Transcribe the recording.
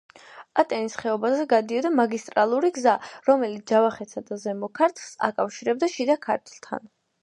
ატენის ხეობაზე გადიოდა მაგისტრალური გზა, რომელიც ჯავახეთსა და ზემო ქართლს აკავშირებდა შიდა ქართლთან.